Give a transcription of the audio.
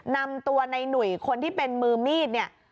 นำตัวในหนุ่ยคนที่เป็นมือมีดเนี่ย